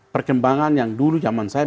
perkembangan yang dulu zaman saya